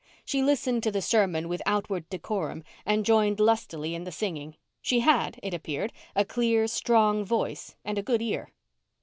She listened to the sermon with outward decorum and joined lustily in the singing. She had, it appeared, a clear, strong voice and a good ear.